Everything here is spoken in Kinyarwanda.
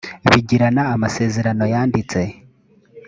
bigirana amasezerano yanditse